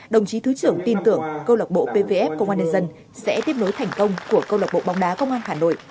đồng chí thứ trưởng tin tưởng câu lạc bộ pvf công an nhân dân sẽ tiếp nối thành công của câu lạc bộ bóng đá công an hà nội